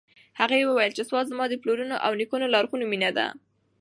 هغې وویل چې سوات زما د پلرونو او نیکونو لرغونې مېنه ده.